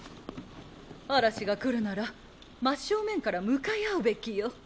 嵐が来るなら真っ正面から向かい合うべきよ。